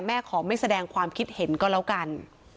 ขอไม่แสดงความคิดเห็นก็แล้วกัน